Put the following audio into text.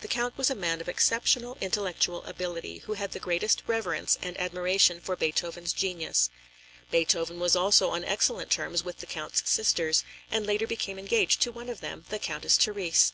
The Count was a man of exceptional intellectual ability, who had the greatest reverence and admiration for Beethoven's genius. Beethoven was also on excellent terms with the Count's sisters, and later became engaged to one of them, the Countess Therese.